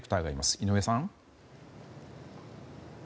井上さん。